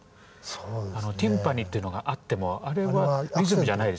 ティンパニーっていうのがあってもあれはリズムじゃないですからね。